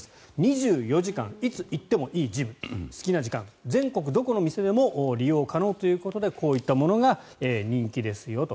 ２４時間いつ行ってもいいジム好きな時間、全国どこの店でも利用可能ということでこういったものが人気ですよと。